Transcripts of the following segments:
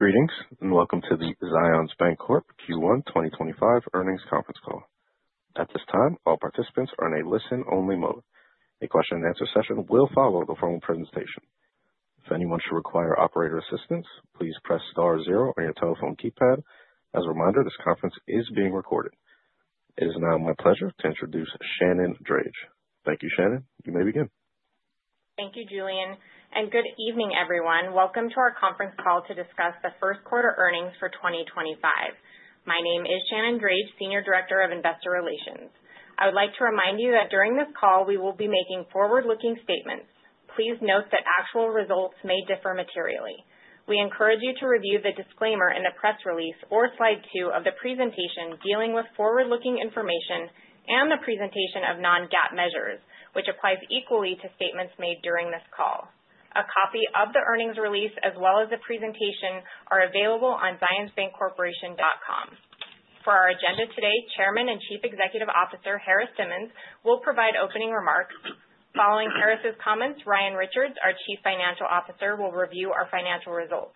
Greetings and welcome to the Zions Bancorporation Q1 2025 Earnings Conference Call. At this time, all participants are in a listen-only mode. A question-and-answer session will follow the formal presentation. If anyone should require operator assistance, please press star zero on your telephone keypad. As a reminder, this conference is being recorded. It is now my pleasure to introduce Shannon Drage. Thank you, Shannon. You may begin. Thank you, Julian. Good evening, everyone. Welcome to our conference call to discuss the first quarter earnings for 2025. My name is Shannon Drage, Senior Director of Investor Relations. I would like to remind you that during this call, we will be making forward-looking statements. Please note that actual results may differ materially. We encourage you to review the disclaimer in the press release or slide two of the presentation dealing with forward-looking information and the presentation of non-GAAP measures, which applies equally to statements made during this call. A copy of the earnings release as well as the presentation are available on zionsbancorporation.com. For our agenda today, Chairman and Chief Executive Officer Harris Simmons will provide opening remarks. Following Harris's comments, Ryan Richards, our Chief Financial Officer, will review our financial results.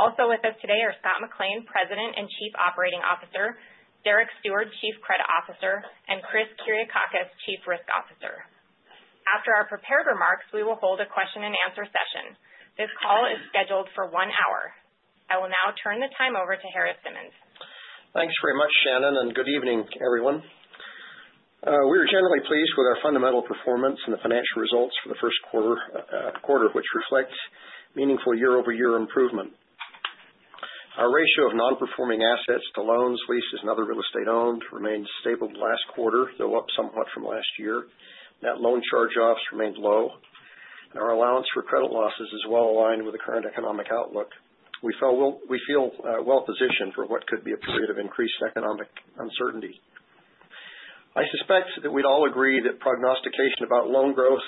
Also with us today are Scott McLean, President and Chief Operating Officer, Derek Steward, Chief Credit Officer, and Chris Kiriakakis, Chief Risk Officer. After our prepared remarks, we will hold a question-and-answer session. This call is scheduled for one hour. I will now turn the time over to Harris Simmons. Thanks very much, Shannon, and good evening, everyone. We are generally pleased with our fundamental performance and the financial results for the first quarter, which reflect meaningful year-over-year improvement. Our ratio of non-performing assets to loans, leases, and other real estate owned remained stable last quarter, though up somewhat from last year. That loan charge-offs remained low, and our allowance for credit losses is well aligned with the current economic outlook. We feel well positioned for what could be a period of increased economic uncertainty. I suspect that we'd all agree that prognostication about loan growth,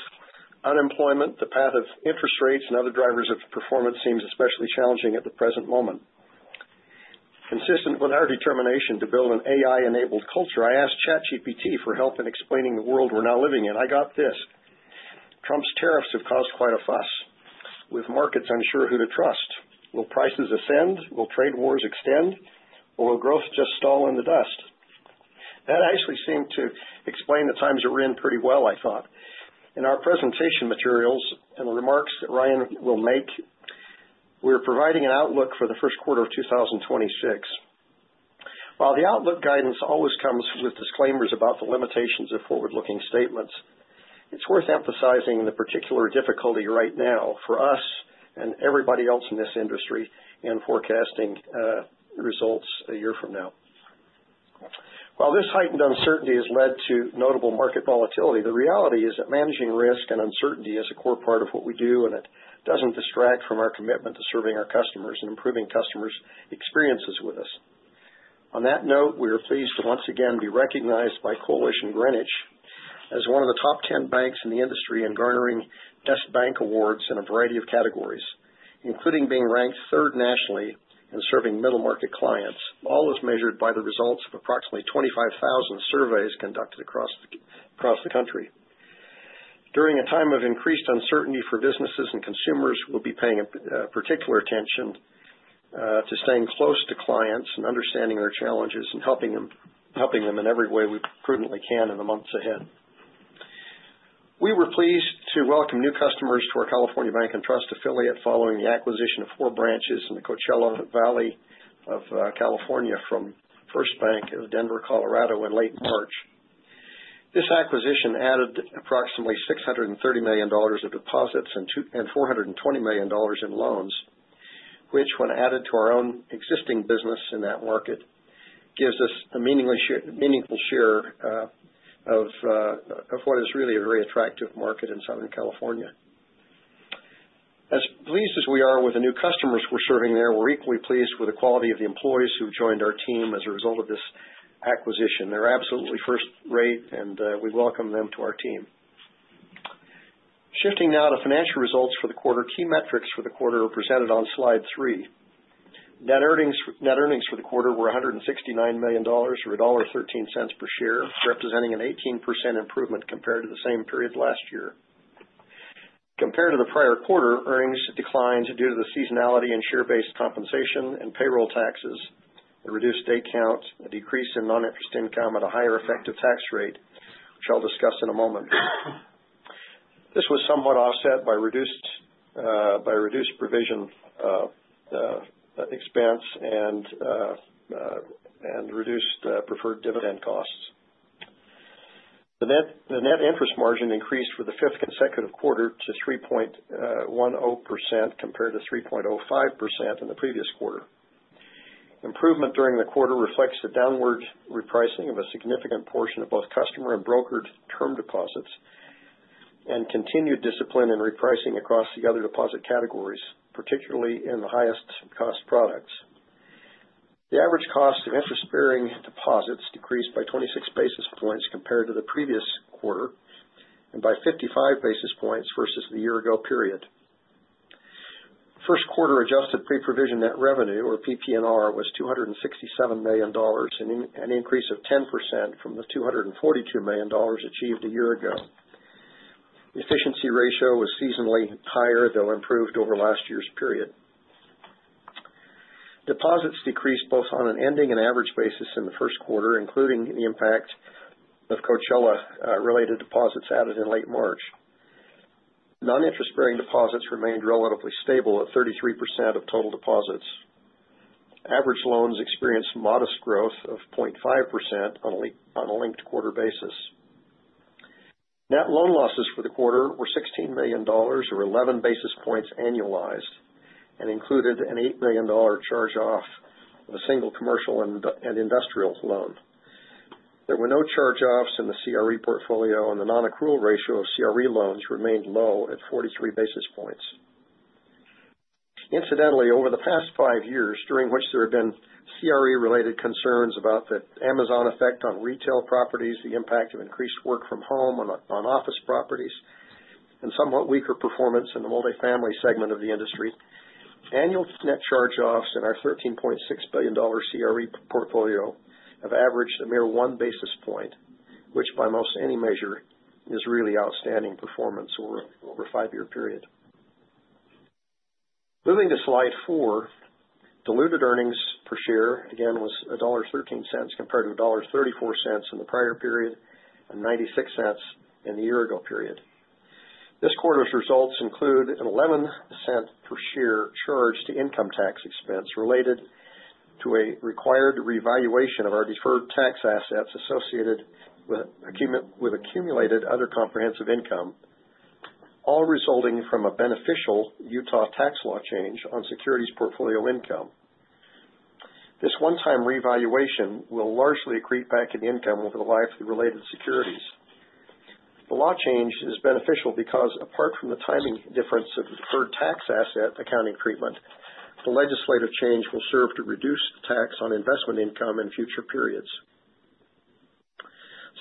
unemployment, the path of interest rates, and other drivers of performance seems especially challenging at the present moment. Consistent with our determination to build an AI-enabled culture, I asked ChatGPT for help in explaining the world we're now living in. I got this: Trump's tariffs have caused quite a fuss, with markets unsure who to trust. Will prices ascend? Will trade wars extend? Or will growth just stall in the dust? That actually seemed to explain the times we're in pretty well, I thought. In our presentation materials and the remarks that Ryan will make, we're providing an outlook for the first quarter of 2026. While the outlook guidance always comes with disclaimers about the limitations of forward-looking statements, it's worth emphasizing the particular difficulty right now for us and everybody else in this industry in forecasting results a year from now. While this heightened uncertainty has led to notable market volatility, the reality is that managing risk and uncertainty is a core part of what we do, and it doesn't distract from our commitment to serving our customers and improving customers' experiences with us. On that note, we are pleased to once again be recognized by Coalition Greenwich as one of the Top 10 Banks in the industry in garnering Best Bank Awards in a variety of categories, including being ranked third nationally in serving middle-market clients. All is measured by the results of approximately 25,000 surveys conducted across the country. During a time of increased uncertainty for businesses and consumers, we'll be paying particular attention to staying close to clients and understanding their challenges and helping them in every way we prudently can in the months ahead. We were pleased to welcome new customers to our California Bank and Trust affiliate following the acquisition of four branches in the Coachella Valley of California from First Bank of Denver, Colorado, in late March. This acquisition added approximately $630 million of deposits and $420 million in loans, which, when added to our own existing business in that market, gives us a meaningful share of what is really a very attractive market in Southern California. As pleased as we are with the new customers we're serving there, we're equally pleased with the quality of the employees who've joined our team as a result of this acquisition. They're absolutely first-rate, and we welcome them to our team. Shifting now to financial results for the quarter, key metrics for the quarter are presented on slide three. Net earnings for the quarter were $169 million or $1.13 per share, representing an 18% improvement compared to the same period last year. Compared to the prior quarter, earnings declined due to the seasonality and share-based compensation and payroll taxes, a reduced day count, a decrease in non-interest income, and a higher effective tax rate, which I'll discuss in a moment. This was somewhat offset by reduced provision expense and reduced preferred dividend costs. The net interest margin increased for the fifth consecutive quarter to 3.10% compared to 3.05% in the previous quarter. Improvement during the quarter reflects the downward repricing of a significant portion of both customer and brokered term deposits and continued discipline in repricing across the other deposit categories, particularly in the highest-cost products. The average cost of interest-bearing deposits decreased by 26 basis points compared to the previous quarter and by 55 basis points versus the year-ago period. First-quarter adjusted pre-provision net revenue, or PPNR, was $267 million, an increase of 10% from the $242 million achieved a year ago. Efficiency ratio was seasonally higher, though improved over last year's period. Deposits decreased both on an ending and average basis in the first quarter, including the impact of Coachella-related deposits added in late March. Non-interest-bearing deposits remained relatively stable at 33% of total deposits. Average loans experienced modest growth of 0.5% on a linked quarter basis. Net loan losses for the quarter were $16 million, or 11 basis points annualized, and included an $8 million charge-off of a single commercial and industrial loan. There were no charge-offs in the CRE portfolio, and the non-accrual ratio of CRE loans remained low at 43 basis points. Incidentally, over the past five years, during which there have been CRE-related concerns about the Amazon effect on retail properties, the impact of increased work from home on office properties, and somewhat weaker performance in the multifamily segment of the industry, annual net charge-offs in our $13.6 billion CRE portfolio have averaged a mere one basis point, which by most any measure is really outstanding performance over a five-year period. Moving to slide four, diluted earnings per share again was $1.13 compared to $1.34 in the prior period and $0.96 in the year-ago period. This quarter's results include an $0.11 per share charge to income tax expense related to a required reevaluation of our deferred tax assets associated with accumulated other comprehensive income, all resulting from a beneficial Utah tax law change on securities portfolio income. This one-time reevaluation will largely accrete back in income over the life of the related securities. The law change is beneficial because, apart from the timing difference of the deferred tax asset accounting treatment, the legislative change will serve to reduce tax on investment income in future periods.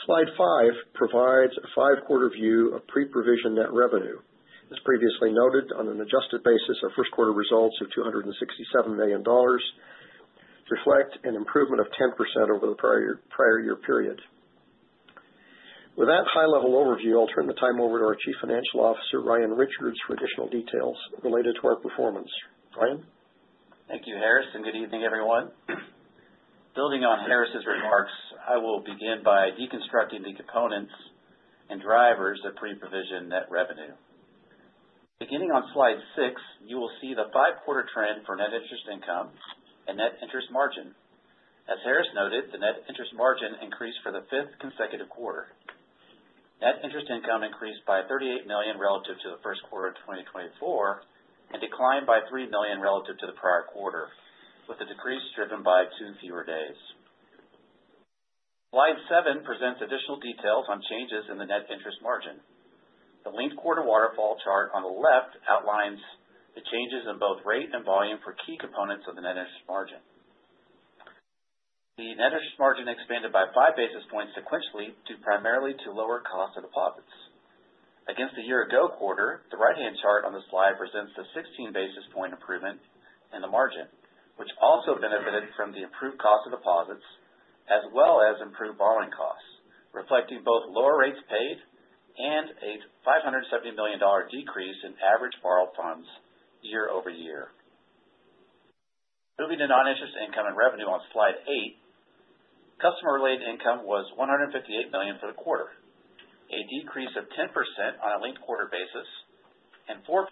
Slide five provides a five-quarter view of pre-provision net revenue. As previously noted, on an adjusted basis, our first-quarter results of $267 million reflect an improvement of 10% over the prior year period. With that high-level overview, I'll turn the time over to our Chief Financial Officer, Ryan Richards, for additional details related to our performance. Ryan? Thank you, Harris, and good evening, everyone. Building on Harris's remarks, I will begin by deconstructing the components and drivers of pre-provision net revenue. Beginning on slide six, you will see the five-quarter trend for net interest income and net interest margin. As Harris noted, the net interest margin increased for the fifth consecutive quarter. Net interest income increased by $38 million relative to the first quarter of 2024 and declined by $3 million relative to the prior quarter, with the decrease driven by two fewer days. Slide seven presents additional details on changes in the net interest margin. The linked quarter waterfall chart on the left outlines the changes in both rate and volume for key components of the net interest margin. The net interest margin expanded by five basis points sequentially due primarily to lower cost of deposits. Against the year-ago quarter, the right-hand chart on the slide presents the 16 basis point improvement in the margin, which also benefited from the improved cost of deposits as well as improved borrowing costs, reflecting both lower rates paid and a $570 million decrease in average borrowed funds year over year. Moving to non-interest income and revenue on slide eight, customer-related income was $158 million for the quarter, a decrease of 10% on a linked quarter basis and 4%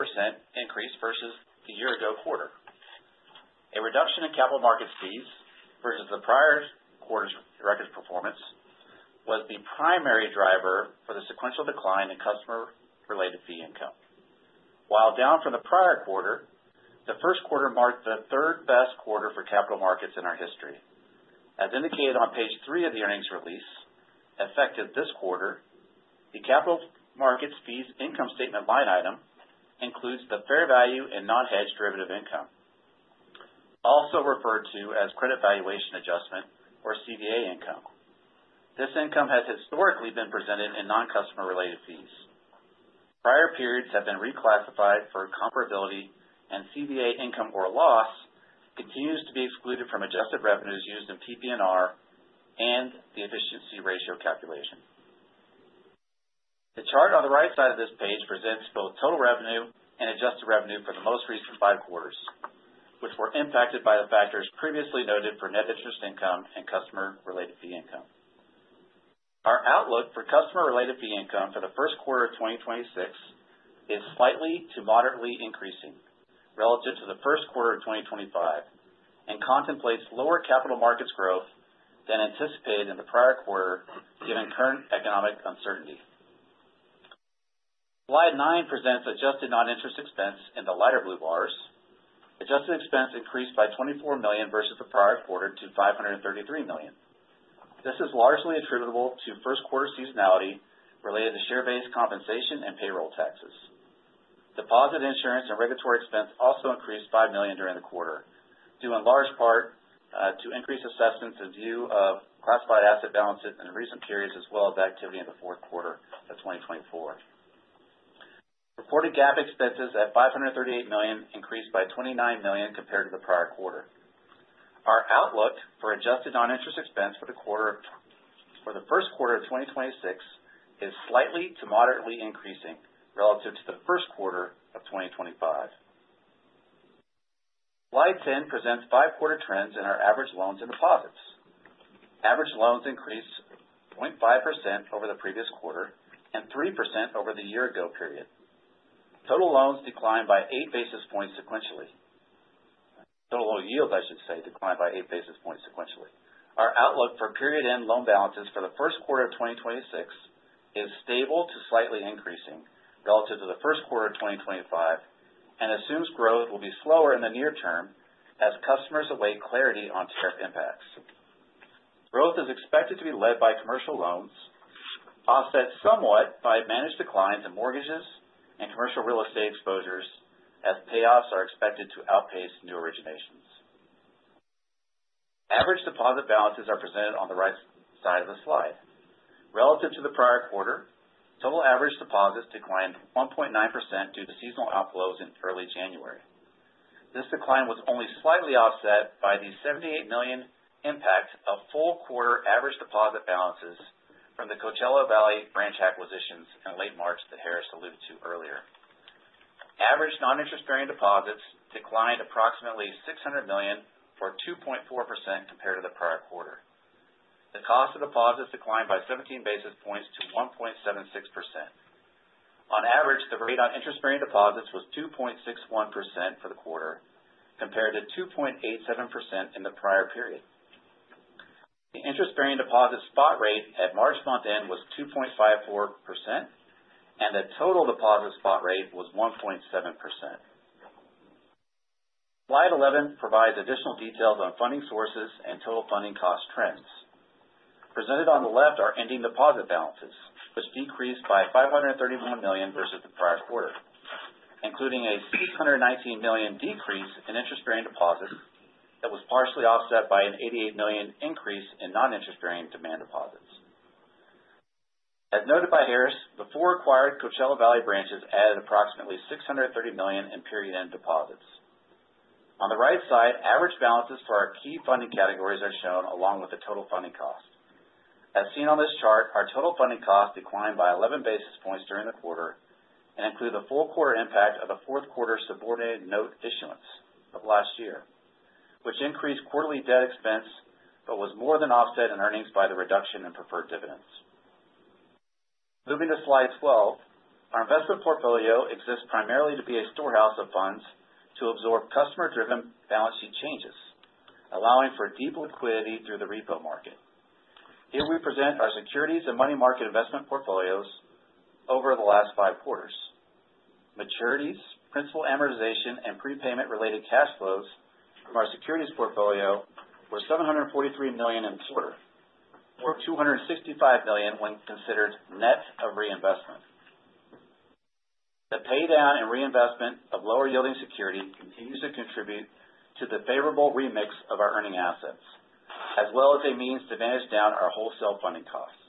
increase versus the year-ago quarter. A reduction in capital markets fees versus the prior quarter's record performance was the primary driver for the sequential decline in customer-related fee income. While down from the prior quarter, the first quarter marked the third-best quarter for capital markets in our history. As indicated on page three of the earnings release, affected this quarter, the capital markets fees income statement line item includes the fair value and non-hedged derivative income, also referred to as credit valuation adjustment or CVA income. This income has historically been presented in non-customer-related fees. Prior periods have been reclassified for comparability, and CVA income or loss continues to be excluded from adjusted revenues used in PPNR and the efficiency ratio calculation. The chart on the right side of this page presents both total revenue and adjusted revenue for the most recent five quarters, which were impacted by the factors previously noted for net interest income and customer-related fee income. Our outlook for customer-related fee income for the first quarter of 2026 is slightly to moderately increasing relative to the first quarter of 2025 and contemplates lower capital markets growth than anticipated in the prior quarter given current economic uncertainty. Slide nine presents adjusted non-interest expense in the lighter blue bars. Adjusted expense increased by $24 million versus the prior quarter to $533 million. This is largely attributable to first-quarter seasonality related to share-based compensation and payroll taxes. Deposit insurance and regulatory expense also increased $5 million during the quarter, due in large part to increased assessments in view of classified asset balances in recent periods as well as activity in the fourth quarter of 2024. Reported GAAP expenses at $538 million increased by $29 million compared to the prior quarter. Our outlook for adjusted non-interest expense for the quarter or for the first quarter of 2026 is slightly to moderately increasing relative to the first quarter of 2025. Slide 10 presents five-quarter trends in our average loans and deposits. Average loans increased 0.5% over the previous quarter and 3% over the year-ago period. Total yields, I should say, declined by eight basis points sequentially. Our outlook for period-end loan balances for the first quarter of 2026 is stable to slightly increasing relative to the first quarter of 2025 and assumes growth will be slower in the near term as customers await clarity on tariff impacts. Growth is expected to be led by commercial loans, offset somewhat by managed declines in mortgages and commercial real estate exposures as payoffs are expected to outpace new originations. Average deposit balances are presented on the right side of the slide. Relative to the prior quarter, total average deposits declined 1.9% due to seasonal outflows in early January. This decline was only slightly offset by the $78 million impact of full quarter average deposit balances from the Coachella Valley branch acquisitions in late March that Harris alluded to earlier. Average non-interest-bearing deposits declined approximately $600 million or 2.4% compared to the prior quarter. The cost of deposits declined by 17 basis points to 1.76%. On average, the rate on interest-bearing deposits was 2.61% for the quarter compared to 2.87% in the prior period. The interest-bearing deposit spot rate at March month end was 2.54%, and the total deposit spot rate was 1.7%. Slide 11 provides additional details on funding sources and total funding cost trends. Presented on the left are ending deposit balances, which decreased by $531 million versus the prior quarter, including a $619 million decrease in interest-bearing deposits that was partially offset by an $88 million increase in non-interest-bearing demand deposits. As noted by Harris, the four acquired Coachella Valley branches added approximately $630 million in period-end deposits. On the right side, average balances for our key funding categories are shown along with the total funding cost. As seen on this chart, our total funding cost declined by 11 basis points during the quarter and includes a full quarter impact of the fourth quarter subordinate note issuance of last year, which increased quarterly debt expense but was more than offset in earnings by the reduction in preferred dividends. Moving to slide 12, our investment portfolio exists primarily to be a storehouse of funds to absorb customer-driven balance sheet changes, allowing for deep liquidity through the repo market. Here we present our securities and money market investment portfolios over the last five quarters. Maturities, principal amortization, and prepayment-related cash flows from our securities portfolio were $743 million in this quarter, or $265 million when considered net of reinvestment. The paydown and reinvestment of lower-yielding security continues to contribute to the favorable remix of our earning assets, as well as a means to manage down our wholesale funding costs.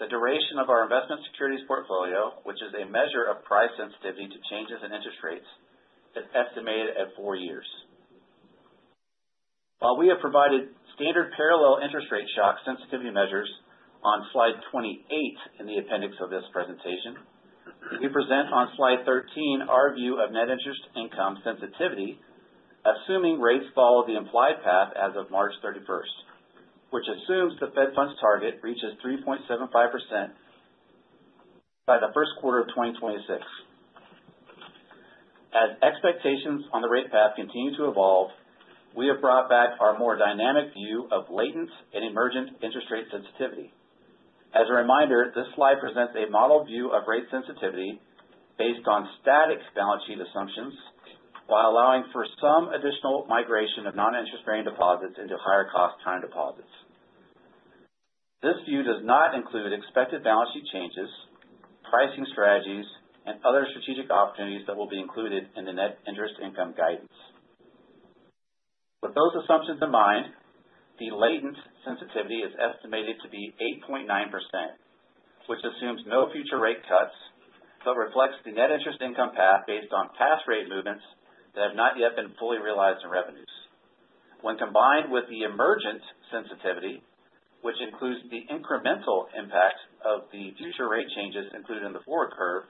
The duration of our investment securities portfolio, which is a measure of price sensitivity to changes in interest rates, is estimated at four years. While we have provided standard parallel interest rate shock sensitivity measures on slide 28 in the appendix of this presentation, we present on slide 13 our view of net interest income sensitivity, assuming rates follow the implied path as of March 31, which assumes the Fed Funds target reaches 3.75% by the first quarter of 2026. As expectations on the rate path continue to evolve, we have brought back our more dynamic view of latent and emergent interest rate sensitivity. As a reminder, this slide presents a model view of rate sensitivity based on static balance sheet assumptions while allowing for some additional migration of non-interest-bearing deposits into higher-cost time deposits. This view does not include expected balance sheet changes, pricing strategies, and other strategic opportunities that will be included in the net interest income guidance. With those assumptions in mind, the latent sensitivity is estimated to be 8.9%, which assumes no future rate cuts but reflects the net interest income path based on past rate movements that have not yet been fully realized in revenues. When combined with the emergent sensitivity, which includes the incremental impact of the future rate changes included in the forward curve,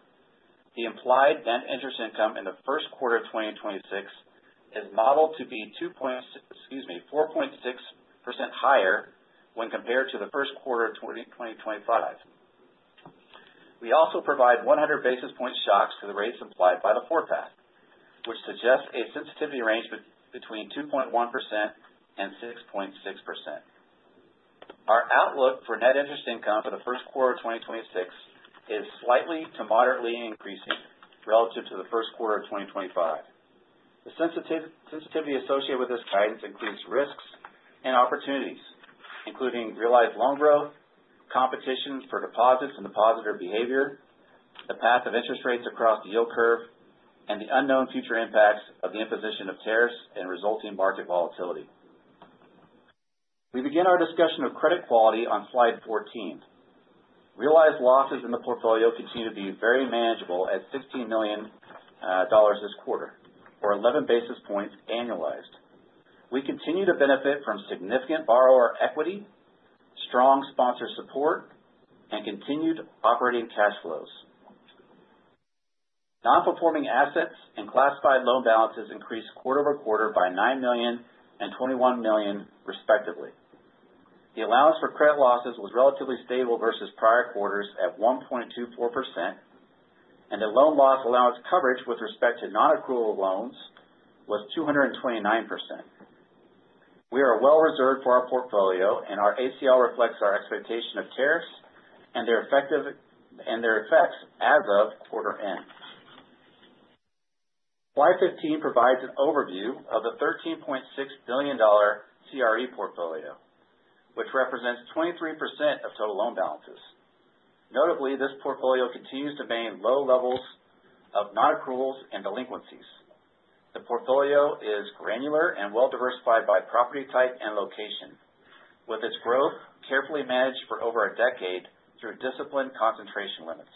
the implied net interest income in the first quarter of 2026 is modeled to be 2.6% excuse me, 4.6% higher when compared to the first quarter of 2025. We also provide 100 basis point shocks to the rates implied by the forecast, which suggests a sensitivity range between 2.1% and 6.6%. Our outlook for net interest income for the first quarter of 2026 is slightly to moderately increasing relative to the first quarter of 2025. The sensitivity associated with this guidance includes risks and opportunities, including realized loan growth, competition for deposits and depositor behavior, the path of interest rates across the yield curve, and the unknown future impacts of the imposition of tariffs and resulting market volatility. We begin our discussion of credit quality on slide 14. Realized losses in the portfolio continue to be very manageable at $16 million this quarter, or 11 basis points annualized. We continue to benefit from significant borrower equity, strong sponsor support, and continued operating cash flows. Non-performing assets and classified loan balances increased quarter-over-quarter by $9 million and $21 million, respectively. The allowance for credit losses was relatively stable versus prior quarters at 1.24%, and the loan loss allowance coverage with respect to non-accrual loans was 229%. We are well reserved for our portfolio, and our ACL reflects our expectation of tariffs and their effects as of quarter end. Slide 15 provides an overview of the $13.6 billion CRE portfolio, which represents 23% of total loan balances. Notably, this portfolio continues to maintain low levels of non-accruals and delinquencies. The portfolio is granular and well diversified by property type and location, with its growth carefully managed for over a decade through discipline concentration limits.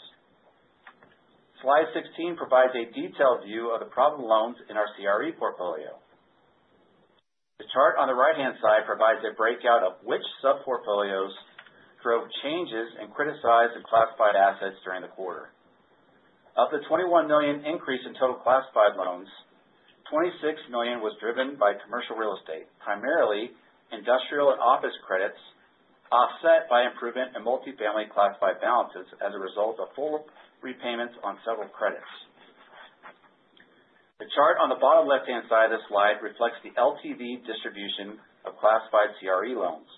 Slide 16 provides a detailed view of the problem loans in our CRE portfolio. The chart on the right-hand side provides a breakout of which sub-portfolios drove changes and criticized and classified assets during the quarter. Of the $21 million increase in total classified loans, $26 million was driven by commercial real estate, primarily industrial and office credits, offset by improvement in multifamily classified balances as a result of full repayments on several credits. The chart on the bottom left-hand side of this slide reflects the LTV distribution of classified CRE loans,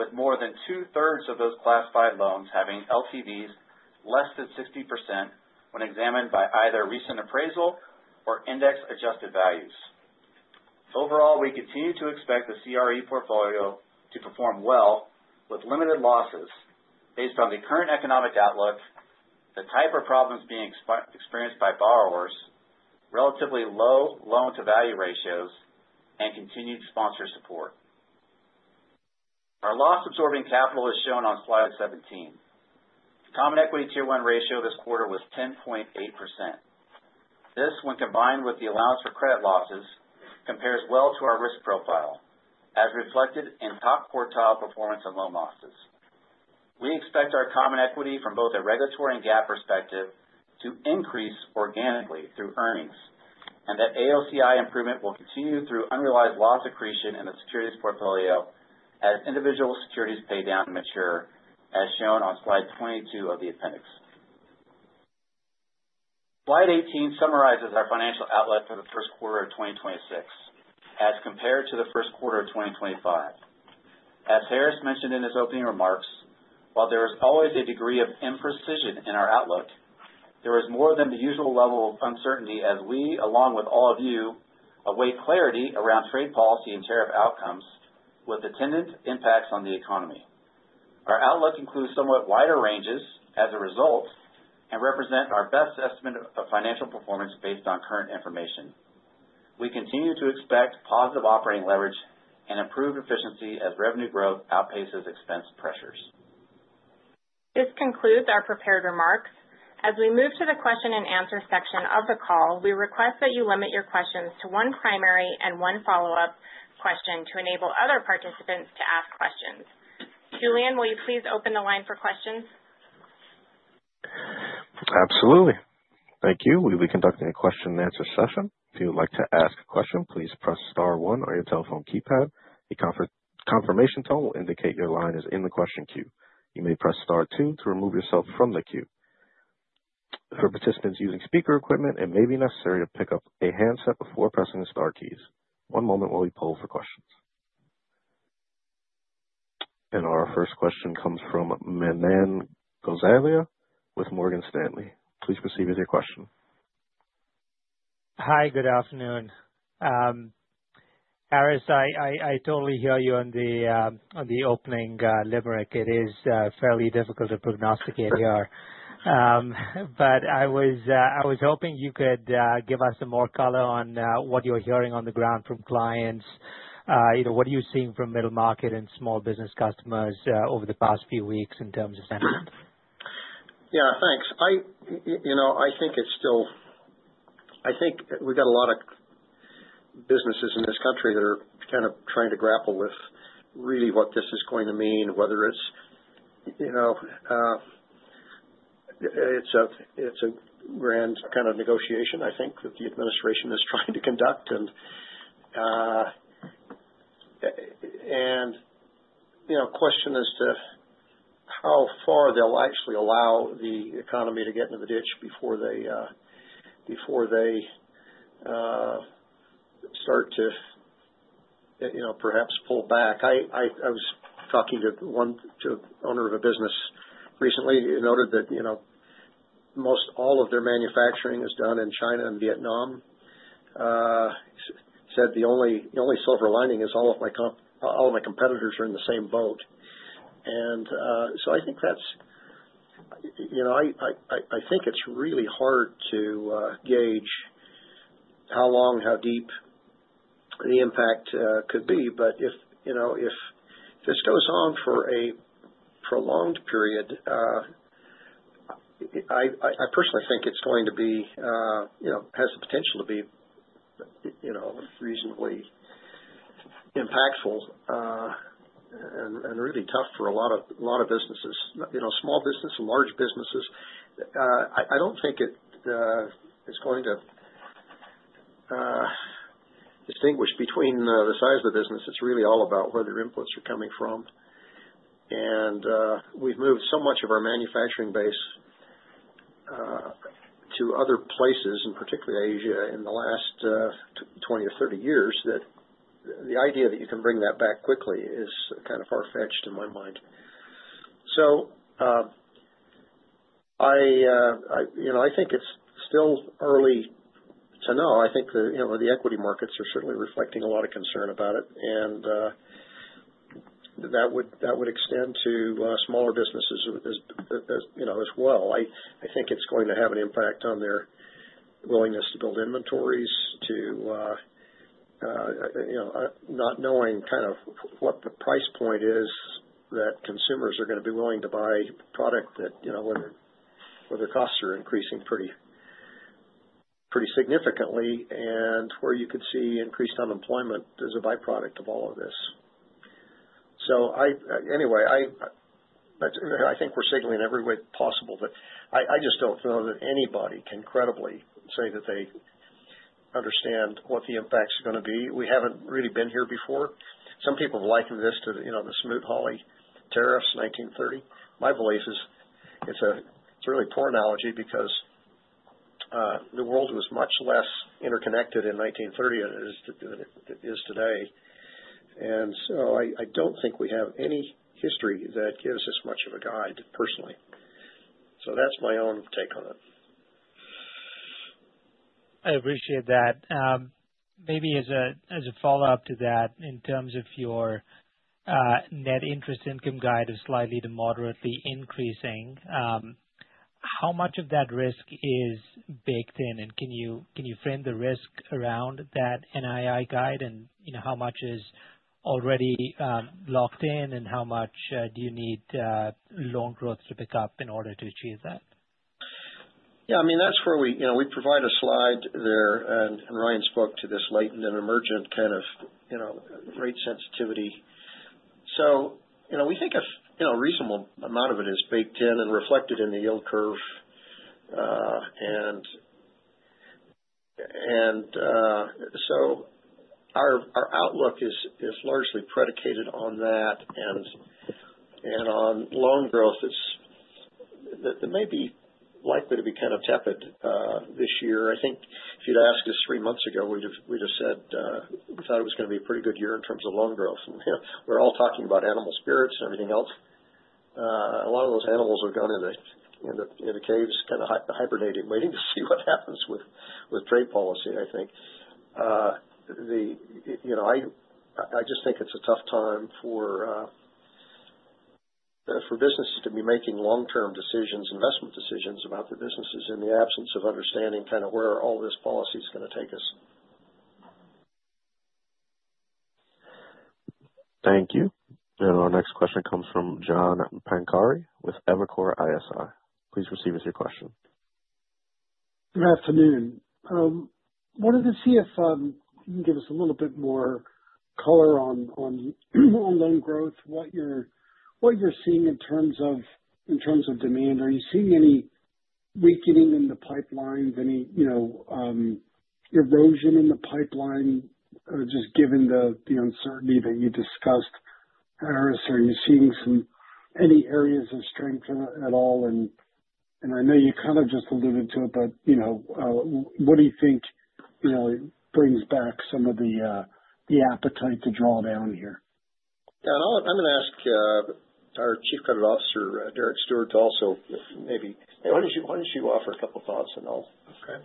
with more than two-thirds of those classified loans having LTVs less than 60% when examined by either recent appraisal or index-adjusted values. Overall, we continue to expect the CRE portfolio to perform well with limited losses based on the current economic outlook, the type of problems being experienced by borrowers, relatively low loan-to-value ratios, and continued sponsor support. Our loss-absorbing capital is shown on slide 17. Common Equity Tier 1 ratio this quarter was 10.8%. This, when combined with the Allowance for Credit Losses, compares well to our risk profile, as reflected in top quartile performance and loan losses. We expect our Common Equity from both a regulatory and GAAP perspective to increase organically through earnings, and that AOCI improvement will continue through unrealized loss accretion in the securities portfolio as individual securities pay down and mature, as shown on slide 22 of the appendix. Slide 18 summarizes our financial outlook for the first quarter of 2026 as compared to the first quarter of 2025. As Harris mentioned in his opening remarks, while there is always a degree of imprecision in our outlook, there is more than the usual level of uncertainty as we, along with all of you, await clarity around trade policy and tariff outcomes with attendant impacts on the economy. Our outlook includes somewhat wider ranges as a result and represents our best estimate of financial performance based on current information. We continue to expect positive operating leverage and improved efficiency as revenue growth outpaces expense pressures. This concludes our prepared remarks. As we move to the question-and-answer section of the call, we request that you limit your questions to one primary and one follow-up question to enable other participants to ask questions. Julian, will you please open the line for questions? Absolutely. Thank you. We'll be conducting a question-and-answer session. If you'd like to ask a question, please press star one on your telephone keypad. A confirmation tone will indicate your line is in the question queue. You may press star two to remove yourself from the queue. For participants using speaker equipment, it may be necessary to pick up a handset before pressing the star keys. One moment while we poll for questions. Our first question comes from Manan Gosalia with Morgan Stanley. Please proceed with your question. Hi, good afternoon. Harris, I totally hear you on the opening Limerick. It is fairly difficult to prognostic ADR. I was hoping you could give us some more color on what you're hearing on the ground from clients, what you're seeing from middle market and small business customers over the past few weeks in terms of sentiment. Yeah, thanks. I think it's still, I think we've got a lot of businesses in this country that are kind of trying to grapple with really what this is going to mean, whether it's a grand kind of negotiation, I think, that the administration is trying to conduct. The question is to how far they'll actually allow the economy to get into the ditch before they start to perhaps pull back. I was talking to the owner of a business recently. He noted that most all of their manufacturing is done in China and Vietnam. He said, "The only silver lining is all of my competitors are in the same boat." I think it's really hard to gauge how long, how deep the impact could be. If this goes on for a prolonged period, I personally think it has the potential to be reasonably impactful and really tough for a lot of businesses, small business and large businesses. I don't think it's going to distinguish between the size of the business. It's really all about where their inputs are coming from. We have moved so much of our manufacturing base to other places, and particularly Asia, in the last 20 or 30 years that the idea that you can bring that back quickly is kind of far-fetched in my mind. I think it is still early to know. I think the equity markets are certainly reflecting a lot of concern about it. That would extend to smaller businesses as well. I think it is going to have an impact on their willingness to build inventories, to not knowing kind of what the price point is that consumers are going to be willing to buy product where their costs are increasing pretty significantly and where you could see increased unemployment as a byproduct of all of this. Anyway, I think we're signaling every way possible, but I just don't know that anybody can credibly say that they understand what the impacts are going to be. We haven't really been here before. Some people have likened this to the Smoot-Hawley tariffs in 1930. My belief is it's a really poor analogy because the world was much less interconnected in 1930 than it is today. I don't think we have any history that gives us much of a guide, personally. That's my own take on it. I appreciate that. Maybe as a follow-up to that, in terms of your net interest income guide is slightly to moderately increasing, how much of that risk is baked in? Can you frame the risk around that NII guide and how much is already locked in, and how much do you need loan growth to pick up in order to achieve that? Yeah, I mean, that's where we provide a slide there in Ryan's book to this latent and emergent kind of rate sensitivity. We think a reasonable amount of it is baked in and reflected in the yield curve. Our outlook is largely predicated on that and on loan growth that may be likely to be kind of tepid this year. I think if you'd asked us three months ago, we'd have said we thought it was going to be a pretty good year in terms of loan growth. We're all talking about animal spirits and everything else. A lot of those animals are going into the caves, kind of hibernating, waiting to see what happens with trade policy, I think. I just think it's a tough time for businesses to be making long-term decisions, investment decisions about their businesses in the absence of understanding kind of where all this policy is going to take us. Thank you. Our next question comes from John Pancari with Evercore ISI. Please proceed with your question. Good afternoon. Wanted to see if you can give us a little bit more color on loan growth, what you're seeing in terms of demand. Are you seeing any weakening in the pipeline, any erosion in the pipeline, just given the uncertainty that you discussed, Harris? Are you seeing any areas of strength at all? I know you kind of just alluded to it, but what do you think brings back some of the appetite to draw down here? Yeah, I am going to ask our Chief Credit Officer, Derek Steward, to also maybe, why do you not offer a couple of thoughts, and I will. Okay.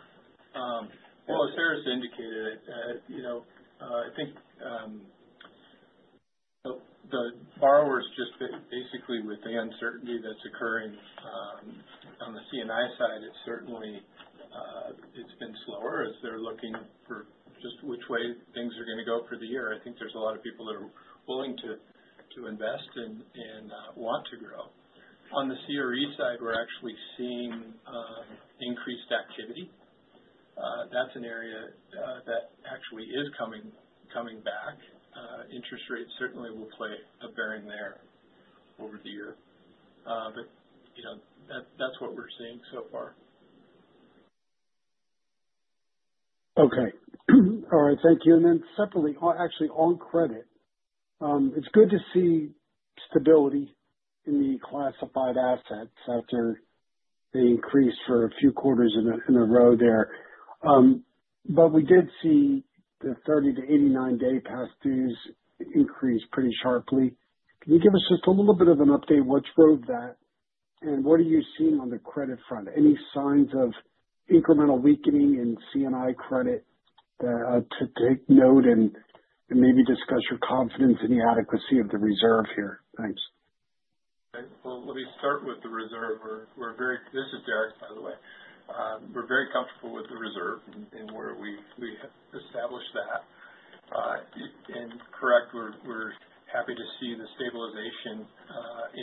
As Harris indicated, I think the borrowers just basically with the uncertainty that is occurring on the C&I side, it certainly has been slower as they are looking for just which way things are going to go for the year. I think there are a lot of people that are willing to invest and want to grow. On the CRE side, we are actually seeing increased activity. That is an area that actually is coming back. Interest rates certainly will play a bearing there over the year. That is what we are seeing so far. Okay. All right. Thank you. Separately, actually on credit, it's good to see stability in the classified assets after the increase for a few quarters in a row there. We did see the 30 to 89-day past dues increase pretty sharply. Can you give us just a little bit of an update? What drove that? What are you seeing on the credit front? Any signs of incremental weakening in C&I credit to take note and maybe discuss your confidence in the adequacy of the reserve here? Thanks. Okay. Let me start with the reserve. This is Derek, by the way. We're very comfortable with the reserve and where we established that. Correct, we're happy to see the stabilization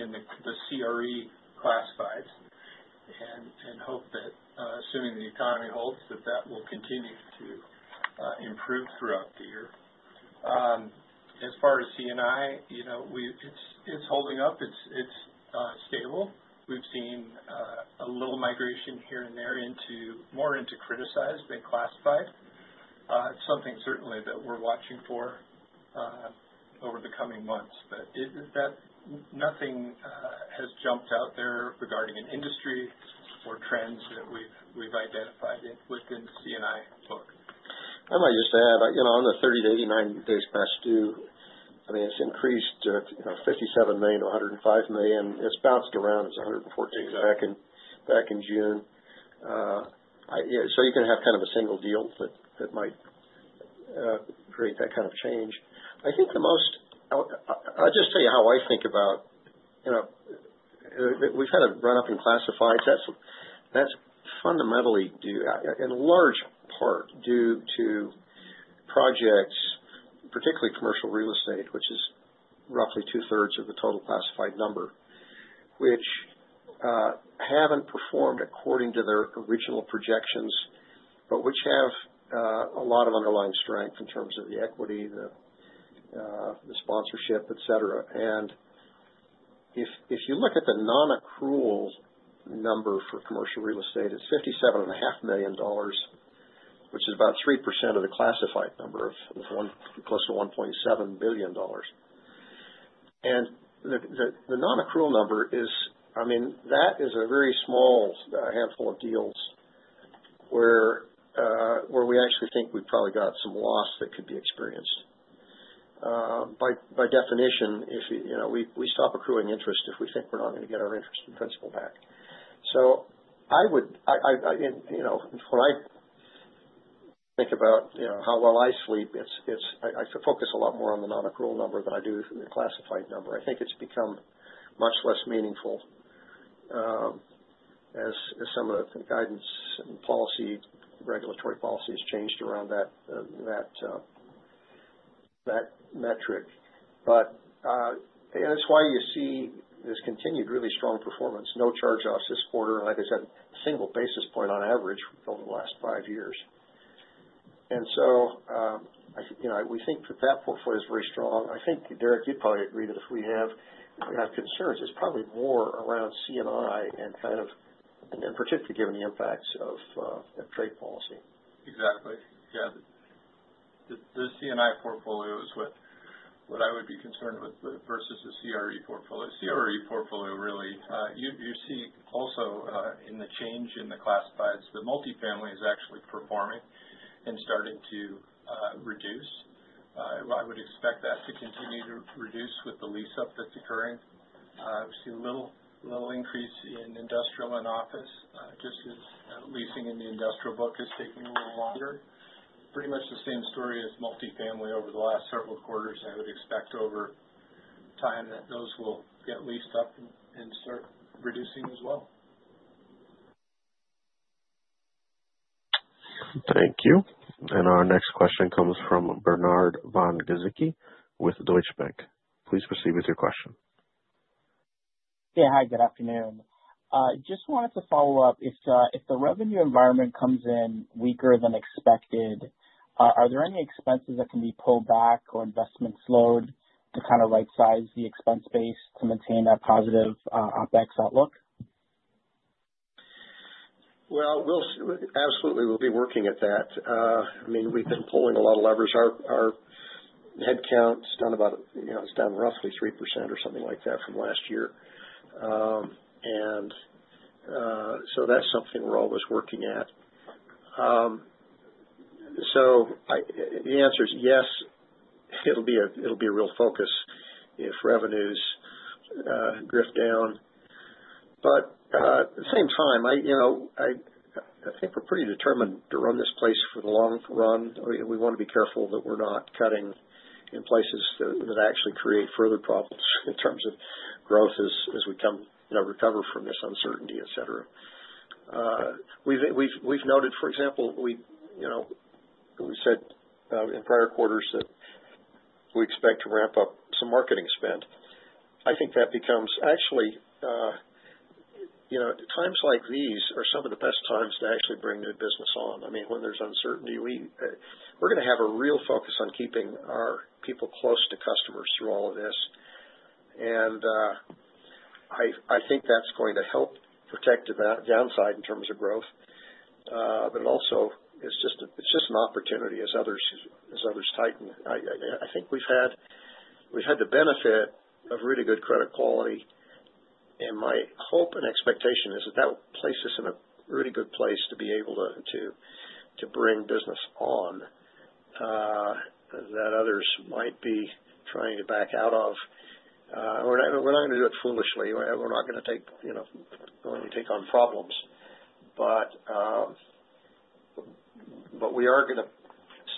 in the CRE classifieds and hope that, assuming the economy holds, that will continue to improve throughout the year. As far as C&I, it's holding up. It's stable. We've seen a little migration here and there more into criticized than classified. It's something certainly that we're watching for over the coming months. Nothing has jumped out there regarding an industry or trends that we've identified within the C&I book. I might just add, on the 30-89-day past due, I mean, it's increased $57 million to $105 million. It's bounced around. It was $114 million back in June. You can have kind of a single deal that might create that kind of change. I think the most I'll just tell you how I think about it, we've had a run-up in classifieds. That's fundamentally due in large part to projects, particularly commercial real estate, which is roughly two-thirds of the total classified number, which haven't performed according to their original projections, but which have a lot of underlying strength in terms of the equity, the sponsorship, etc. If you look at the non-accrual number for commercial real estate, it's $57.5 million, which is about 3% of the classified number of close to $1.7 billion. The non-accrual number is, I mean, that is a very small handful of deals where we actually think we've probably got some loss that could be experienced. By definition, we stop accruing interest if we think we're not going to get our interest and principal back. When I think about how well I sleep, I focus a lot more on the non-accrual number than I do the classified number. I think it's become much less meaningful as some of the guidance and regulatory policy has changed around that metric. It's why you see this continued really strong performance. No charge-offs this quarter. I just had a single basis point on average over the last five years. We think that that portfolio is very strong. I think, Derek, you'd probably agree that if we have concerns, it's probably more around C&I and kind of. And particularly given the impacts of trade policy. Exactly. Yeah. The C&I portfolio is what I would be concerned with versus the CRE portfolio. CRE portfolio, really, you see also in the change in the classifieds, the multifamily is actually performing and starting to reduce. I would expect that to continue to reduce with the lease-up that's occurring. We see a little increase in industrial and office, just as leasing in the industrial book is taking a little longer. Pretty much the same story as multifamily over the last several quarters. I would expect over time that those will get leased up and start reducing as well. Thank you. Our next question comes from Bernard von Gizycki with Deutsche Bank. Please proceed with your question. Hey, hi. Good afternoon. Just wanted to follow up. If the revenue environment comes in weaker than expected, are there any expenses that can be pulled back or investments slowed to kind of right-size the expense base to maintain that positive OpEx outlook? Absolutely. We'll be working at that. I mean, we've been pulling a lot of levers. Our headcount's down about, it's down roughly 3% or something like that from last year. And so that's something we're always working at. The answer is yes. It'll be a real focus if revenues drift down. At the same time, I think we're pretty determined to run this place for the long run. We want to be careful that we're not cutting in places that actually create further problems in terms of growth as we recover from this uncertainty, etc. We've noted, for example, we said in prior quarters that we expect to ramp up some marketing spend. I think that actually times like these are some of the best times to actually bring new business on. I mean, when there's uncertainty, we're going to have a real focus on keeping our people close to customers through all of this. I think that's going to help protect the downside in terms of growth. Also, it's just an opportunity as others tighten. I think we've had the benefit of really good credit quality. My hope and expectation is that that will place us in a really good place to be able to bring business on that others might be trying to back out of. We're not going to do it foolishly. We're not going to only take on problems. We are going to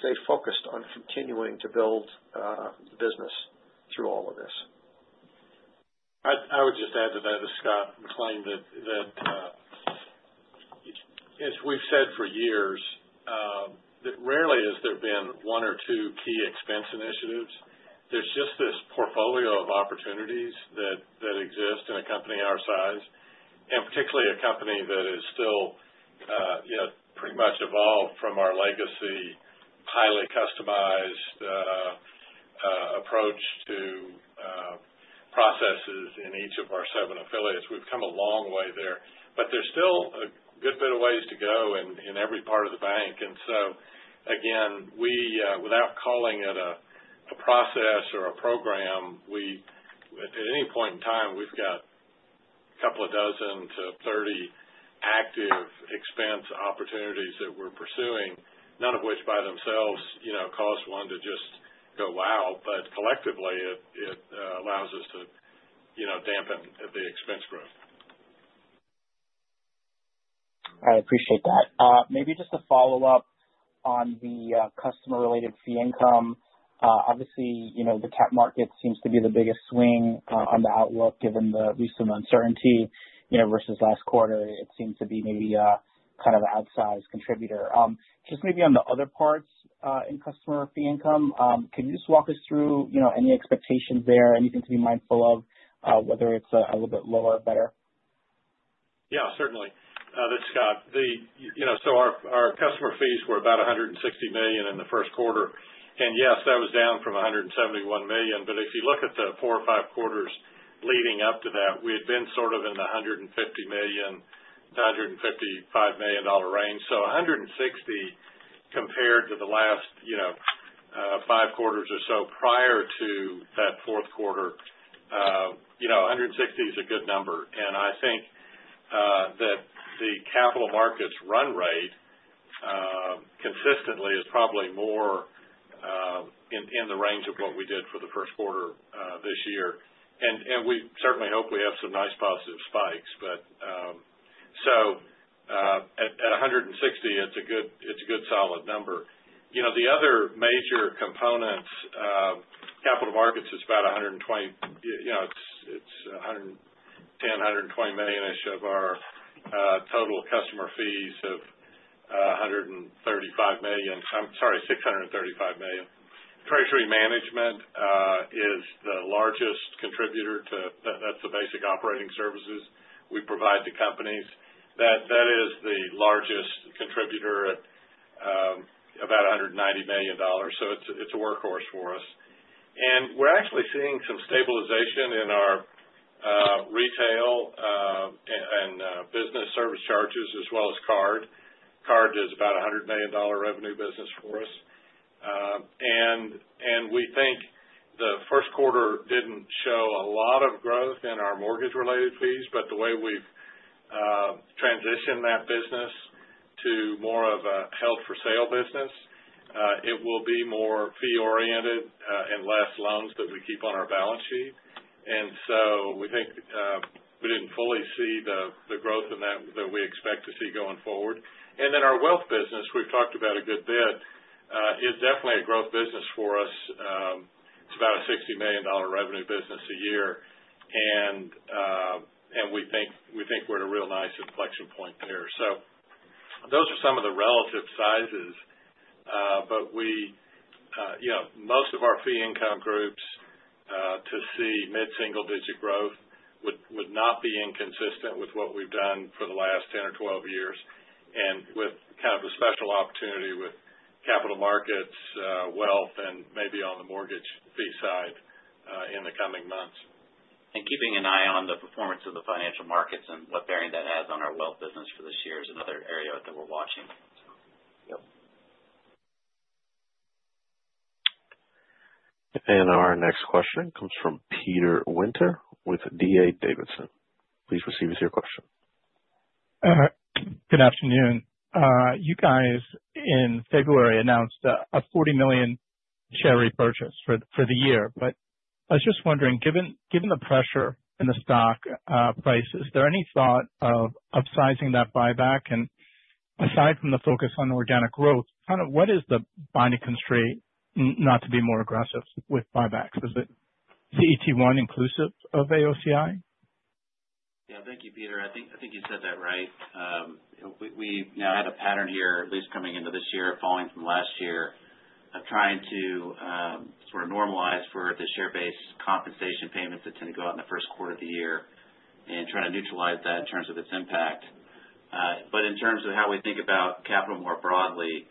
stay focused on continuing to build the business through all of this. I would just add to that, this is Scott McLean, that as we've said for years, rarely has there been one or two key expense initiatives. There's just this portfolio of opportunities that exist in a company our size, and particularly a company that is still pretty much evolved from our legacy, highly customized approach to processes in each of our seven affiliates. We've come a long way there. There's still a good bit of ways to go in every part of the bank. Again, without calling it a process or a program, at any point in time, we've got a couple of dozen to 30 active expense opportunities that we're pursuing, none of which by themselves cause one to just go, "Wow." Collectively, it allows us to dampen the expense growth. I appreciate that. Maybe just a follow-up on the customer-related fee income. Obviously, the cap market seems to be the biggest swing on the outlook given the recent uncertainty versus last quarter. It seems to be maybe kind of an outsized contributor. Just maybe on the other parts in customer fee income, can you just walk us through any expectations there, anything to be mindful of, whether it's a little bit lower or better? Yeah, certainly. This is Scott. Our customer fees were about $160 million in the first quarter. Yes, that was down from $171 million. If you look at the four or five quarters leading up to that, we had been sort of in the $150 million-$155 million range. $160 million compared to the last five quarters or so prior to that fourth quarter, $160 million is a good number. I think that the capital markets run rate consistently is probably more in the range of what we did for the first quarter this year. We certainly hope we have some nice positive spikes. At $160 million, it is a good solid number. The other major components, capital markets, it is about $120 million. It is $110 million-$120 million-ish of our total customer fees of $135 million. I am sorry, $635 million. Treasury management is the largest contributor to that. That is the basic operating services we provide to companies. That is the largest contributor at about $190 million. It is a workhorse for us. We're actually seeing some stabilization in our retail and business service charges as well as card. Card is about a $100 million revenue business for us. We think the first quarter didn't show a lot of growth in our mortgage-related fees. The way we've transitioned that business to more of a held-for-sale business, it will be more fee-oriented and less loans that we keep on our balance sheet. We think we didn't fully see the growth that we expect to see going forward. Our wealth business, we've talked about a good bit, is definitely a growth business for us. It's about a $60 million revenue business a year. We think we're at a real nice inflection point there. Those are some of the relative sizes. Most of our fee income groups to see mid-single-digit growth would not be inconsistent with what we've done for the last 10 or 12 years and with kind of a special opportunity with capital markets, wealth, and maybe on the mortgage fee side in the coming months. Keeping an eye on the performance of the financial markets and what bearing that has on our wealth business for this year is another area that we're watching. Yep. Our next question comes from Peter Winter with D.A. Davidson. Please proceed with your question. Good afternoon. You guys in February announced a $40 million share repurchase for the year. I was just wondering, given the pressure in the stock price, is there any thought of upsizing that buyback? Aside from the focus on organic growth, kind of what is the binding constraint not to be more aggressive with buybacks? Is it CET1 inclusive of AOCI? Yeah. Thank you, Peter. I think you said that right. We now had a pattern here, at least coming into this year, falling from last year of trying to sort of normalize for the share-based compensation payments that tend to go out in the first quarter of the year and try to neutralize that in terms of its impact. In terms of how we think about capital more broadly,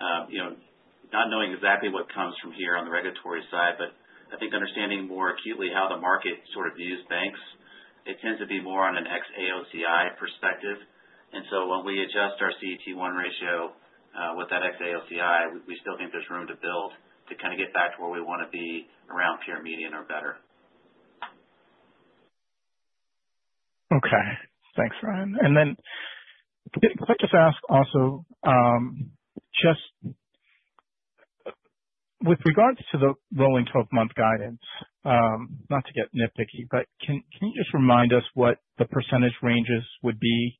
not knowing exactly what comes from here on the regulatory side, I think understanding more acutely how the market sort of views banks, it tends to be more on an ex-AOCI perspective. When we adjust our CET1 ratio with that ex-AOCI, we still think there's room to build to kind of get back to where we want to be around peer median or better. Okay. Thanks, Ryan. I would like to ask also, just with regards to the rolling 12-month guidance, not to get nitpicky, but can you just remind us what the percentage ranges would be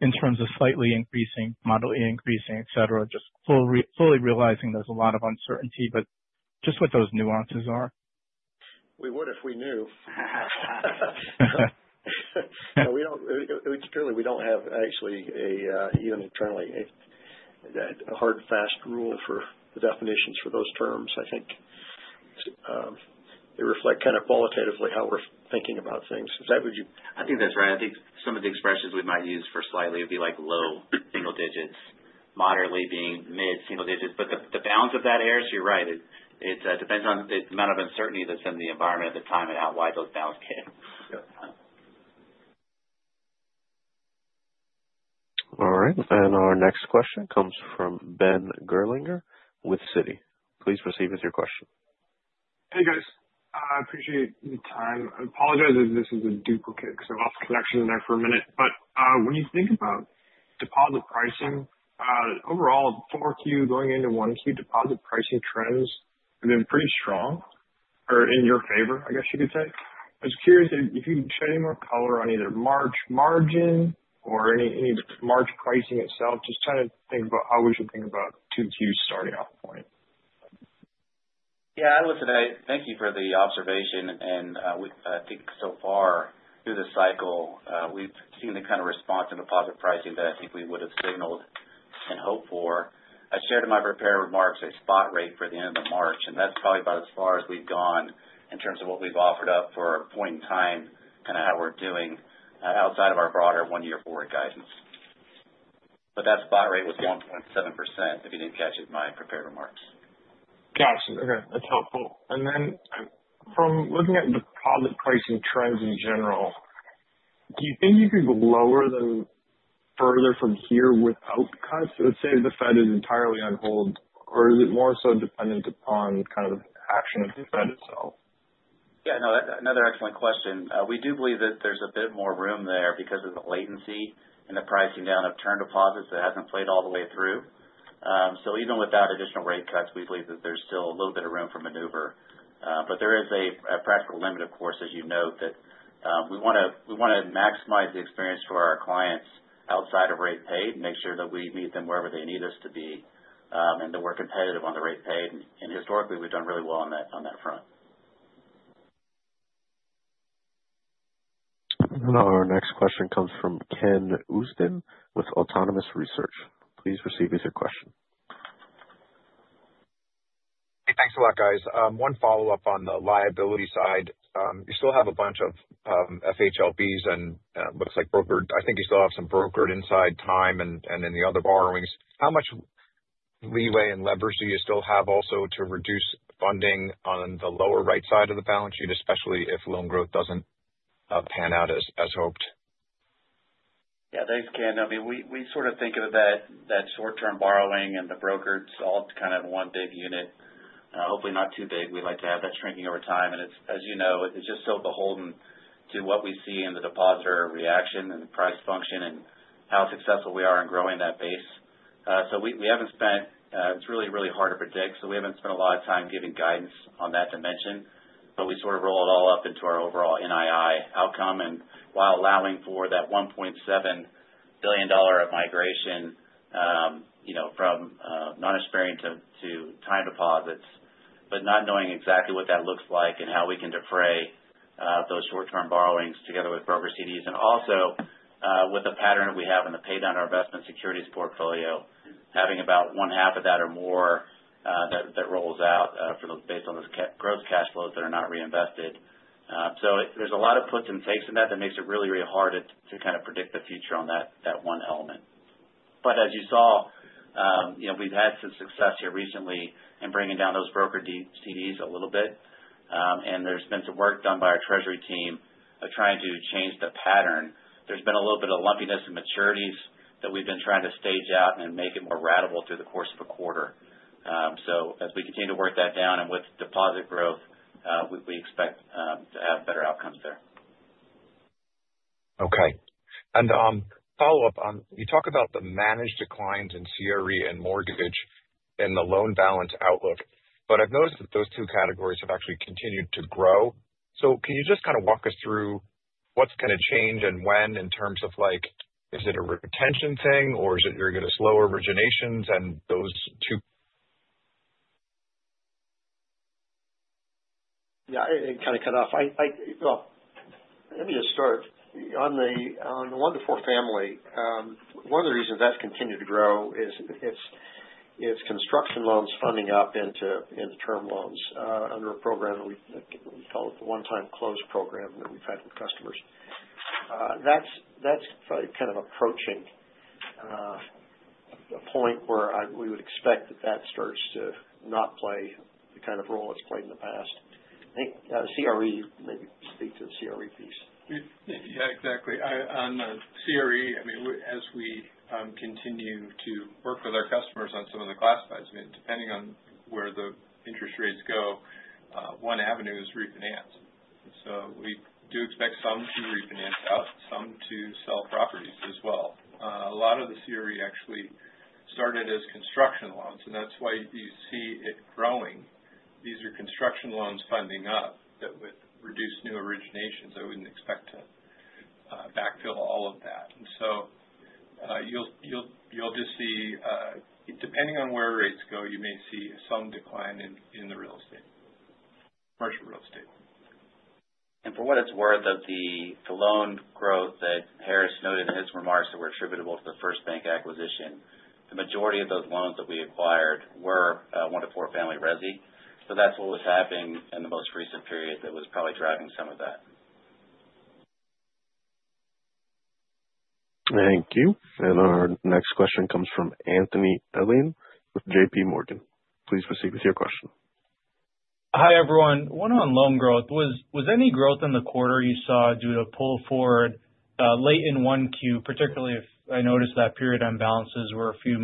in terms of slightly increasing, moderately increasing, etc., just fully realizing there's a lot of uncertainty, but just what those nuances are? We would if we knew. Surely, we do not have actually even internally a hard and fast rule for the definitions for those terms. I think they reflect kind of qualitatively how we're thinking about things. Is that what you? I think that's right. I think some of the expressions we might use for slightly would be like low single digits, moderately being mid-single digits. The balance of that error, so you're right, it depends on the amount of uncertainty that's in the environment at the time and how wide those bounds get. All right. Our next question comes from Ben Gerlinger with Citi. Please proceed with your question. Hey, guys. I appreciate the time. I apologize if this is a duplicate because I lost connection there for a minute. When you think about deposit pricing, overall, 4Q going into 1Q, deposit pricing trends have been pretty strong or in your favor, I guess you could say. I was curious if you could shed any more color on either margin or any of the March pricing itself, just trying to think about how we should think about Q2 starting off point. Yeah. I would say thank you for the observation. I think so far through the cycle, we've seen the kind of response to deposit pricing that I think we would have signaled and hoped for. I shared in my prepared remarks a spot rate for the end of March. That's probably about as far as we've gone in terms of what we've offered up for a point in time, kind of how we're doing outside of our broader one-year forward guidance. That spot rate was 1.7% if you didn't catch it in my prepared remarks. Gotcha. Okay. That's helpful. From looking at the public pricing trends in general, do you think you could lower them further from here without cuts? Let's say the Fed is entirely on hold, or is it more so dependent upon kind of action of the Fed itself? Yeah. No, another excellent question. We do believe that there's a bit more room there because of the latency and the pricing down of term deposits that hasn't played all the way through. Even without additional rate cuts, we believe that there's still a little bit of room for maneuver. There is a practical limit, of course, as you know, that we want to maximize the experience for our clients outside of rate paid and make sure that we meet them wherever they need us to be and that we're competitive on the rate paid. Historically, we've done really well on that front. Our next question comes from Ken Usdin with Autonomous Research. Please proceed with your question. Hey, thanks a lot, guys. One follow-up on the liability side. You still have a bunch of FHLBs and looks like brokered, I think you still have some brokered inside time and in the other borrowings. How much leeway and leverage do you still have also to reduce funding on the lower right side of the balance sheet, especially if loan growth doesn't pan out as hoped? Yeah. Thanks, Ken. I mean, we sort of think of that short-term borrowing and the brokered, it's all kind of one big unit. Hopefully, not too big. We'd like to have that shrinking over time. As you know, it's just so beholden to what we see in the depositor reaction and the price function and how successful we are in growing that base. We haven't spent, it's really, really hard to predict. We haven't spent a lot of time giving guidance on that dimension. We sort of roll it all up into our overall NII outcome. While allowing for that $1.7 billion of migration from non-experience to time deposits, but not knowing exactly what that looks like and how we can defray those short-term borrowings together with broker CDs. Also, with the pattern that we have in the pay down of our investment securities portfolio, having about one half of that or more that rolls out based on those growth cash flows that are not reinvested. There are a lot of puts and takes in that that makes it really, really hard to kind of predict the future on that one element. As you saw, we've had some success here recently in bringing down those broker CDs a little bit. There has been some work done by our treasury team of trying to change the pattern. There's been a little bit of lumpiness in maturities that we've been trying to stage out and make it more ratable through the course of a quarter. As we continue to work that down and with deposit growth, we expect to have better outcomes there. Okay. Follow-up on, you talk about the managed declines in CRE and mortgage and the loan balance outlook. I've noticed that those two categories have actually continued to grow. Can you just kind of walk us through what's going to change and when in terms of, is it a retention thing or are you going to slow originations in those two? It kind of cut off. Let me just start. On the 1-to-4 family, one of the reasons that's continued to grow is it's construction loans funding up into term loans under a program that we call it the one-time close program that we've had with customers. That's kind of approaching a point where we would expect that that starts to not play the kind of role it's played in the past. I think CRE, maybe speak to the CRE piece. Yeah, exactly. On the CRE, I mean, as we continue to work with our customers on some of the classifieds, I mean, depending on where the interest rates go, one avenue is refinance. So we do expect some to refinance out, some to sell properties as well. A lot of the CRE actually started as construction loans. And that's why you see it growing. These are construction loans funding up that would reduce new originations. I wouldn't expect to backfill all of that. You'll just see, depending on where rates go, you may see some decline in the real estate, commercial real estate. For what it's worth, of the loan growth that Harris noted in his remarks that were attributable to the FirstBank acquisition, the majority of those loans that we acquired were 1-to-4 family resi. That's what was happening in the most recent period that was probably driving some of that. Thank you. Our next question comes from Anthony Elian with J.P. Morgan. Please proceed with your question. Hi everyone. One on loan growth. Was any growth in the quarter you saw due to pull forward late in 1Q, particularly if I noticed that period end balances were a few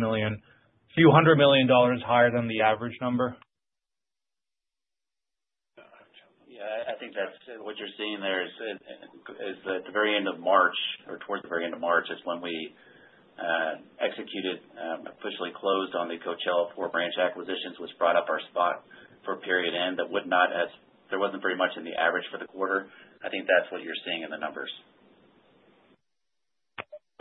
hundred million dollars higher than the average number? Yeah. I think that's what you're seeing there is that at the very end of March or towards the very end of March is when we executed, officially closed on the Coachella 4 branch acquisitions, which brought up our spot for period end. That would not have, there wasn't very much in the average for the quarter. I think that's what you're seeing in the numbers.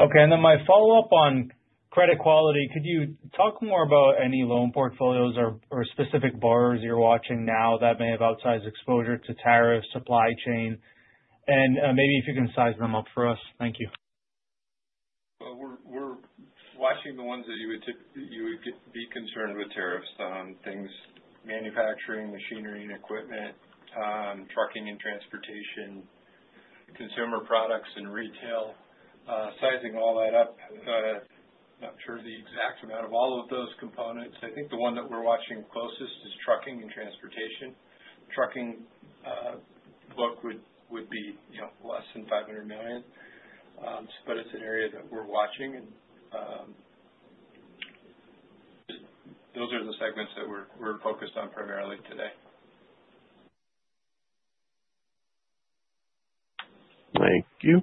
Okay. My follow-up on credit quality. Could you talk more about any loan portfolios or specific borrowers you're watching now that may have outsized exposure to tariffs, supply chain? Maybe if you can size them up for us. Thank you. We're watching the ones that you would be concerned with tariffs on, things like manufacturing, machinery and equipment, trucking and transportation, consumer products and retail. Sizing all that up, I'm not sure the exact amount of all of those components. I think the one that we're watching closest is trucking and transportation. Trucking book would be less than $500 million. It is an area that we're watching. Those are the segments that we're focused on primarily today. Thank you.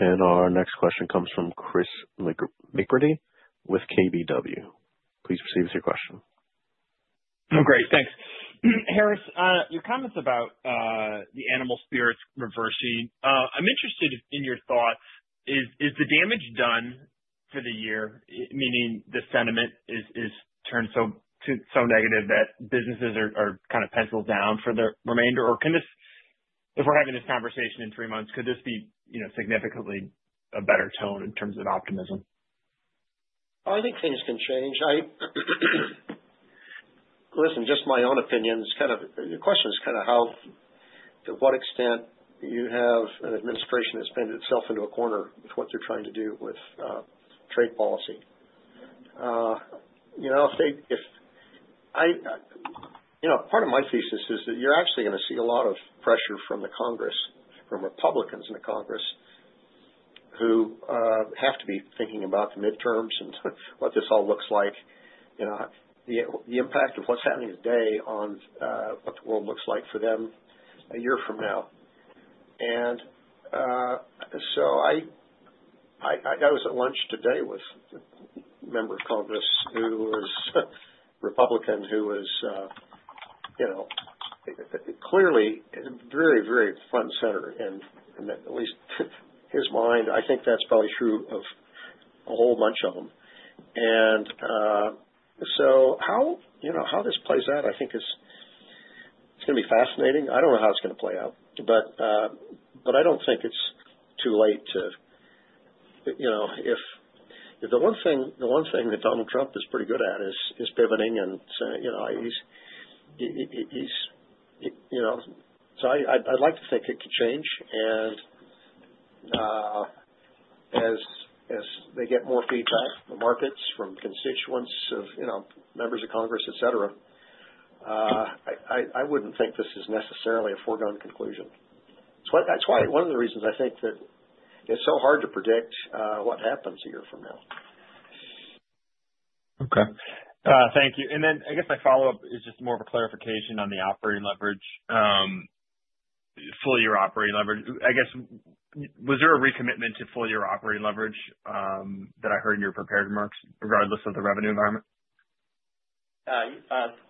Our next question comes from Chris McBurney with KBW. Please proceed with your question. Great. Thanks. Harris, your comments about the animal spirits reversing. I'm interested in your thoughts. Is the damage done for the year, meaning the sentiment is turned so negative that businesses are kind of penciled down for the remainder? If we're having this conversation in three months, could this be significantly a better tone in terms of optimism? I think things can change. Listen, just my own opinion is kind of the question is kind of to what extent you have an administration that's been itself into a corner with what they're trying to do with trade policy. Part of my thesis is that you're actually going to see a lot of pressure from the Congress, from Republicans in the Congress who have to be thinking about the midterms and what this all looks like, the impact of what's happening today on what the world looks like for them a year from now. I was at lunch today with a member of Congress who was Republican who was clearly very, very front and center in at least his mind. I think that's probably true of a whole bunch of them. How this plays out, I think, is going to be fascinating. I don't know how it's going to play out. I don't think it's too late to, if the one thing that Donald Trump is pretty good at is pivoting and saying he's, so I'd like to think it could change. As they get more feedback from the markets, from constituents, members of Congress, etc., I wouldn't think this is necessarily a foregone conclusion. That's why one of the reasons I think that it's so hard to predict what happens a year from now. Okay. Thank you. I guess my follow-up is just more of a clarification on the operating leverage, full-year operating leverage. I guess, was there a recommitment to full-year operating leverage that I heard in your prepared remarks regardless of the revenue environment?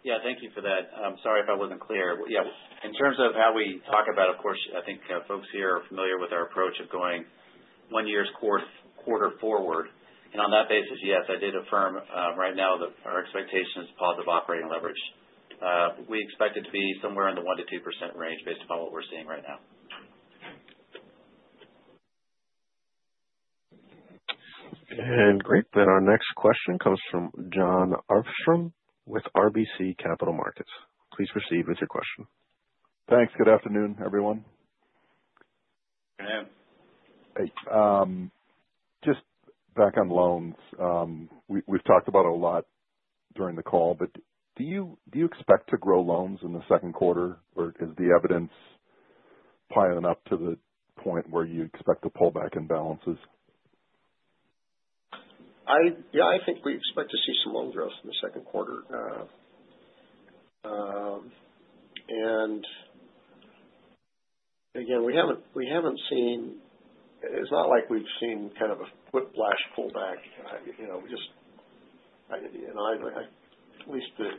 Yeah. Thank you for that. I'm sorry if I wasn't clear. Yeah. In terms of how we talk about, of course, I think folks here are familiar with our approach of going one year's quarter forward. On that basis, yes, I did affirm right now that our expectation is positive operating leverage. We expect it to be somewhere in the 1%-2% range based upon what we're seeing right now. Great. Our next question comes from John Armstrong with RBC Capital Markets. Please proceed with your question. Thanks. Good afternoon, everyone. Good afternoon. Hey. Just back on loans, we've talked about it a lot during the call, but do you expect to grow loans in the second quarter, or is the evidence piling up to the point where you expect a pullback in balances? Yeah. I think we expect to see some loan growth in the second quarter. We have not seen, it is not like we have seen kind of a whiplash pullback. Just at least the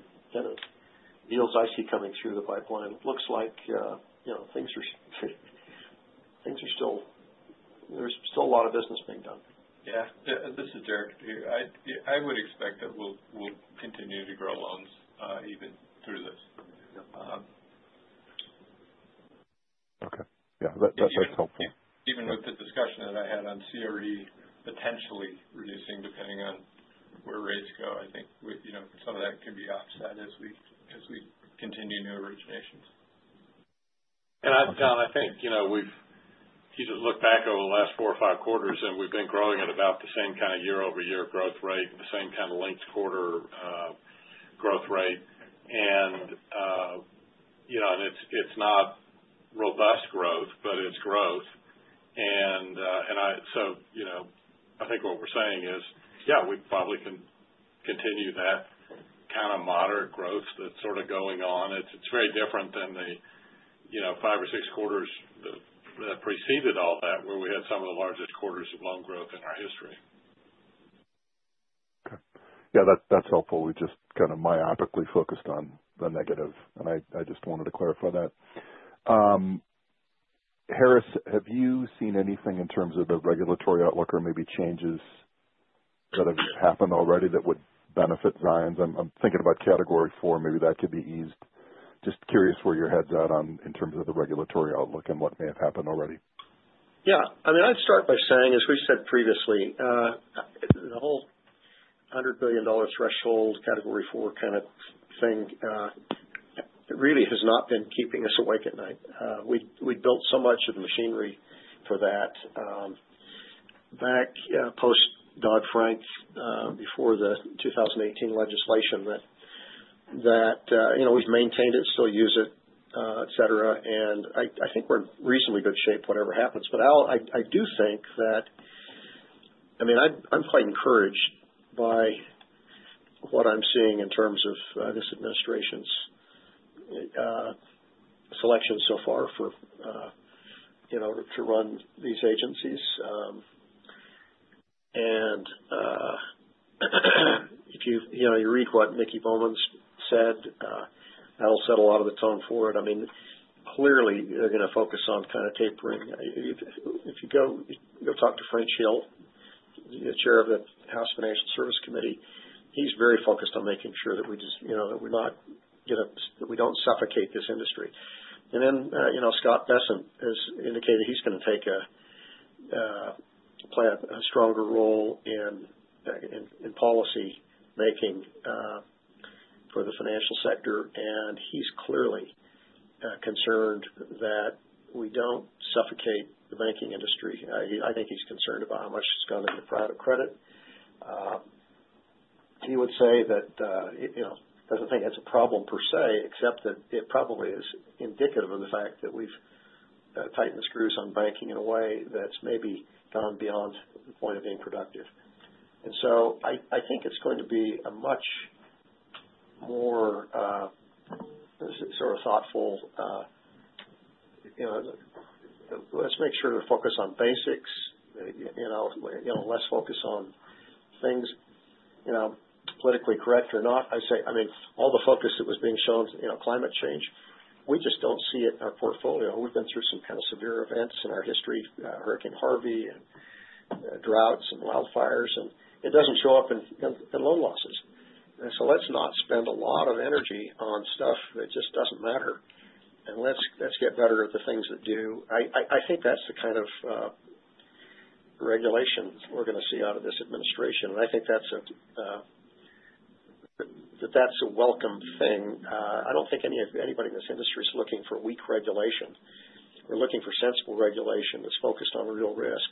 deals I see coming through the pipeline, it looks like things are still, there is still a lot of business being done. Yeah. This is Derek here. I would expect that we will continue to grow loans even through this. Okay. Yeah. That is helpful. Even with the discussion that I had on CRE potentially reducing depending on where rates go, I think some of that can be offset as we continue new originations. And John, I think we have, if you just look back over the last four or five quarters, and we have been growing at about the same kind of year-over-year growth rate, the same kind of linked quarter growth rate. It is not robust growth, but it is growth. I think what we're saying is, yeah, we probably can continue that kind of moderate growth that's sort of going on. It's very different than the five or six quarters that preceded all that where we had some of the largest quarters of loan growth in our history. Okay. Yeah. That's helpful. We just kind of myopically focused on the negative. I just wanted to clarify that. Harris, have you seen anything in terms of the regulatory outlook or maybe changes that have happened already that would benefit Zions? I'm thinking about category 4. Maybe that could be eased. Just curious where your head's at in terms of the regulatory outlook and what may have happened already. Yeah. I mean, I'd start by saying, as we said previously, the whole $100 billion threshold, category 4 kind of thing really has not been keeping us awake at night. We'd built so much of the machinery for that back post-Dodd-Frank before the 2018 legislation that we've maintained it, still use it, etc. I think we're in reasonably good shape whatever happens. I do think that I mean, I'm quite encouraged by what I'm seeing in terms of this administration's selection so far to run these agencies. If you read what Miki Bowman said, that'll set a lot of the tone for it. I mean, clearly, they're going to focus on kind of tapering. If you go talk to French Hill, the Chair of the House Financial Service Committee, he's very focused on making sure that we just that we're not going to that we don't suffocate this industry. Scott Bessent has indicated he's going to take a stronger role in policy making for the financial sector. He's clearly concerned that we don't suffocate the banking industry. I think he's concerned about how much has gone into private credit. He would say that he doesn't think that's a problem per se, except that it probably is indicative of the fact that we've tightened the screws on banking in a way that's maybe gone beyond the point of being productive. I think it's going to be a much more sort of thoughtful let's make sure to focus on basics, less focus on things politically correct or not. I mean, all the focus that was being shown to climate change, we just don't see it in our portfolio. We've been through some kind of severe events in our history, Hurricane Harvey, and droughts and wildfires. It doesn't show up in loan losses. Let's not spend a lot of energy on stuff that just doesn't matter. Let's get better at the things that do. I think that's the kind of regulation we're going to see out of this administration. I think that's a welcome thing. I don't think anybody in this industry is looking for weak regulation. We're looking for sensible regulation that's focused on real risk.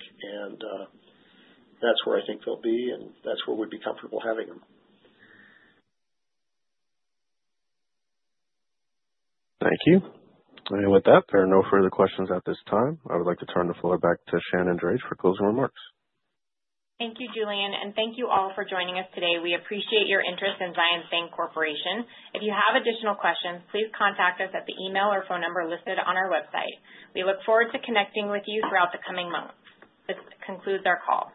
That's where I think they'll be. That's where we'd be comfortable having them. Thank you. With that, there are no further questions at this time. I would like to turn the floor back to Shannon Drage for closing remarks. Thank you, Julian. Thank you all for joining us today. We appreciate your interest in Zions Bancorporation. If you have additional questions, please contact us at the email or phone number listed on our website. We look forward to connecting with you throughout the coming months. This concludes our call.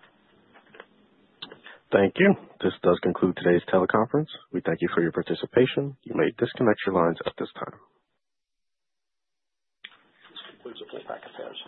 Thank you. This does conclude today's teleconference. We thank you for your participation. You may disconnect your lines at this time. This concludes the call.